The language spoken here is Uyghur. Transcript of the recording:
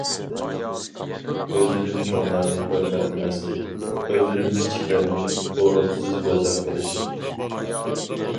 ئۆزىدىن چوڭلارنى ھۆرمەتلىمەسلىك، ئۆزىدىن كىچىكلەرنى ئورۇنسىز بوزەك قىلىش.